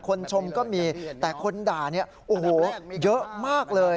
คนชมก็มีแต่คนด่าเนี่ยก็เยอะมากเลย